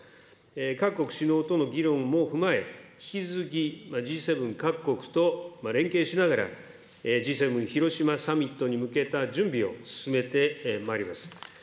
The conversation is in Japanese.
各国首脳との議論も踏まえ、引き続き、Ｇ７各国と連携しながら、Ｇ７広島サミットに向けた準備を進めてまいります。